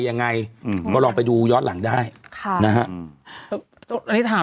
ขอบคุณนะครับขอบคุณนะครับขอบคุณนะครับ